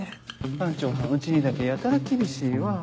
班長はんうちにだけやたら厳しいわぁ。